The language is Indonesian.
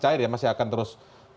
cair ya masih akan terus